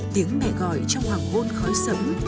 tiếng mẹ gọi trong hoàng hôn khói sẫm